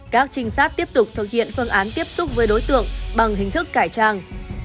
các trinh sát tiếp tục thực hiện phương án tiếp xúc với đối tượng bằng hình thức cải trang